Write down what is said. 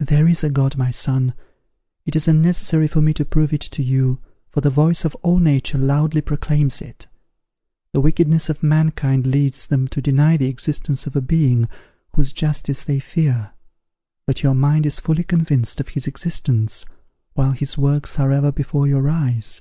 There is a God, my son; it is unnecessary for me to prove it to you, for the voice of all nature loudly proclaims it. The wickedness of mankind leads them to deny the existence of a Being, whose justice they fear. But your mind is fully convinced of his existence, while his works are ever before your eyes.